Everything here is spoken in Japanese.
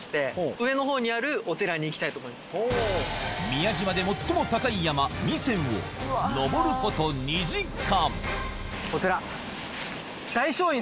宮島で最も高い山弥山を登ること大聖院。